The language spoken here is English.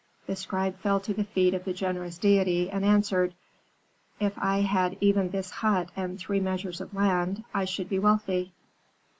"The scribe fell to the feet of the generous deity, and answered, "'If I had even this hut and three measures of land, I should be wealthy.'